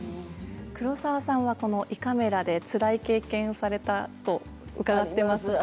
黒沢さん胃カメラでつらい経験をされたと伺っています。